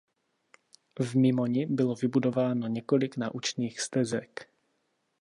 V Mimoni bylo vybudováno několik naučných stezek.